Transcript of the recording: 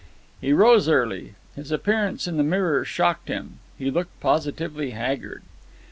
He rose early. His appearance in the mirror shocked him. He looked positively haggard.